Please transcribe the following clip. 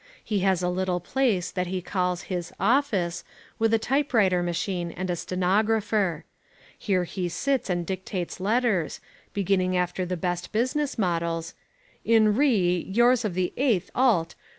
He has a little place that he calls his "office," with a typewriter machine and a stenographer. Here he sits and dictates letters, beginning after the best business models, "in re yours of the eighth ult.